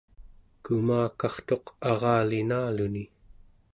kumakartuq aralinaluni